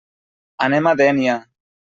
Anem a Dénia.